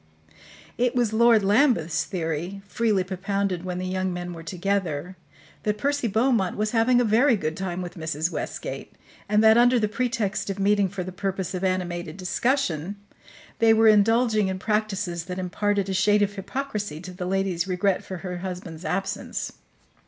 It was Lord Lambeth's theory, freely propounded when the young men were together, that Percy Beaumont was having a very good time with Mrs. Westgate, and that, under the pretext of meeting for the purpose of animated discussion, they were indulging in practices that imparted a shade of hypocrisy to the lady's regret for her husband's absence.